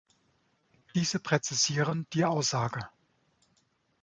Diese präzisieren die Aussage.